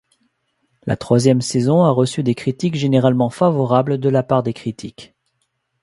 La troisième saison a reçu des critiques généralement favorables de la part des critiques.